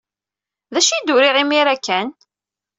D acu ay d-uriɣ imir-a kan?